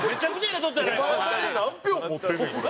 お前だけ何票持ってんねんこれ。